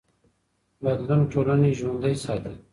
بدلون ټولنې ژوندي ساتي